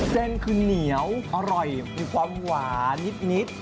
เส้นคือเหนียวอร่อยมีความหวานนิด